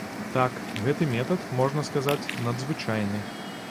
Так, гэты метад, можна сказаць, надзвычайны.